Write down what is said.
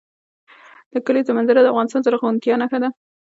د کلیزو منظره د افغانستان د زرغونتیا نښه ده.